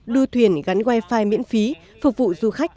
đua thuyền gắn wifi miễn phí phục vụ du khách